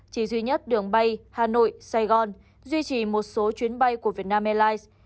chỉ duy nhất đường bay hà nội sài gòn duy trì một số chuyến bay của vietnam airlines